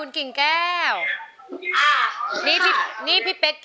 โทรหาคนรู้จัก